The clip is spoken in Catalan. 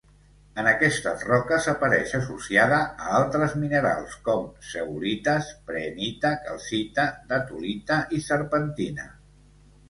En aquestes roques apareix associada a altres minerals com zeolites, prehnita, calcita, datolita i serpentina.